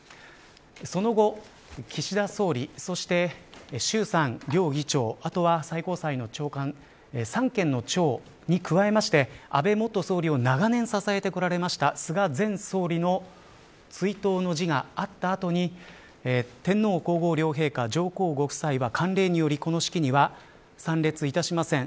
その後、岸田総理そして衆参両議長あとは最高裁の長官三権の長に加えまして安倍元総理を長年支えてこられた菅前総理の追悼の辞があったあとに天皇・皇后両陛下、上皇ご夫妻は慣例によりこの式には参列いたしません。